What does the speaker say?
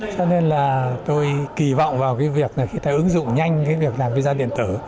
cho nên là tôi kỳ vọng vào cái việc là khi ta ứng dụng nhanh cái việc làm visa điện tử